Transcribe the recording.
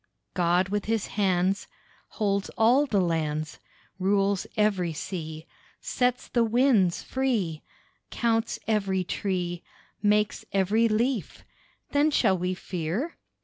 God with His hands Holds all the lands; Rules every sea, Sets the winds free, Counts every tree, Makes every leaf. Then shall we fear?